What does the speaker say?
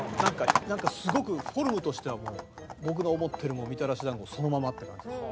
なんかすごくフォルムとしてはもう僕の思ってるみたらし団子そのままって感じです。